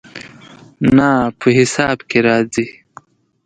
نه، په حساب کې راځي